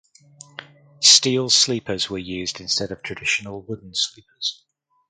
Steel sleepers were used instead of traditional wooden sleepers.